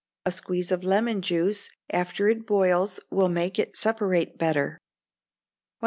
A squeeze of lemon juice after it boils will make it separate better. 1295.